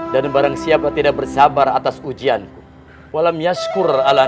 dan barang siapa yang tidak bersabar atas ujianku